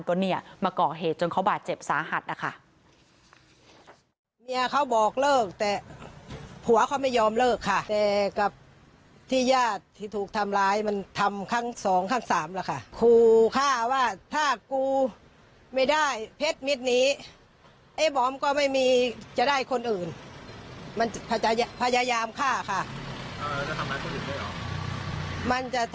ก็มาเกาะเหตุจนเขาบาดเจ็บสาหัส